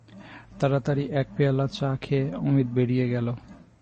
তাড়াতাড়ি এক পেয়ালা চা খেয়ে অমিত বেরিয়ে পড়ল।